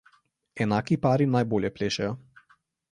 Enaki pari najbolje plešejo.